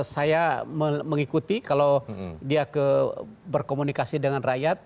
saya mengikuti kalau dia berkomunikasi dengan rakyat